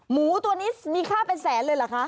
หมูตัวนี้มีค่าเป็นแสนเลยเหรอคะ